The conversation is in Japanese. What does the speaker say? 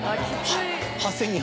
はい。